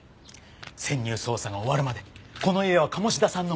潜入捜査が終わるまでこの家は鴨志田さんの持ち家ですから。